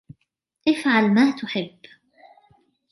افعل ما تحب.